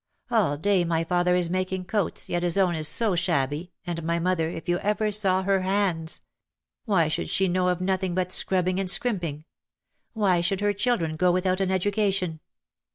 All day my father is mak ing coats yet his own is so shabby, and my mother, if you ever saw her hands! Why should she know of nothing but scrubbing and scrimping? Why should her children go without an education?"